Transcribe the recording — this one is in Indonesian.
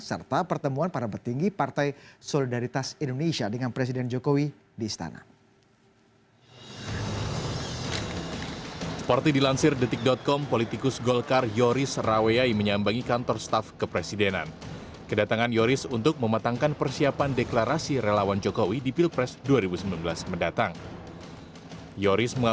serta pertemuan para petinggi partai solidaritas indonesia dengan presiden jokowi di istana